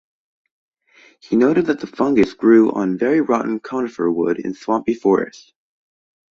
He noted that the fungus grew on very rotten conifer wood in swampy forest.